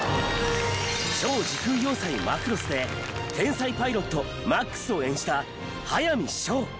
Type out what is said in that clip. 『超時空要塞マクロス』で天才パイロットマックスを演じた速水奨。